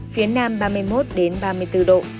phía nam ba mươi một ba mươi bốn độ